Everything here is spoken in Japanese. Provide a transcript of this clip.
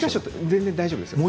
全然、大丈夫ですよ。